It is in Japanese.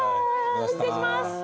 失礼します。